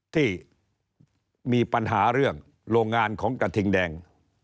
ที่มีปัญหาเรื่องโรงงานของกระทิงแดง